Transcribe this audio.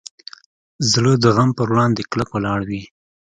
زړه د غم پر وړاندې کلک ولاړ وي.